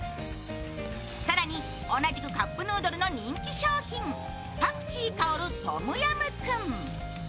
更に同じくカップヌードルの人気商品、パクチー香るトムヤムクン。